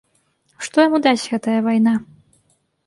Што яму дасць гэтая вайна?